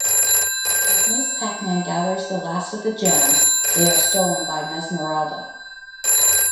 As Ms. Pac-Man gathers the last of the gems, they are stolen by Mesmerelda.